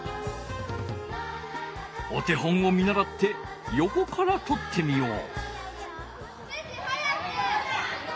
お手本をみならって横からとってみよう。